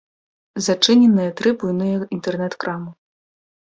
Зачыненыя тры буйныя інтэрнэт-крамы.